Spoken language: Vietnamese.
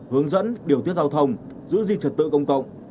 hướng dẫn điều tiết giao thông giữ gìn trật tự công cộng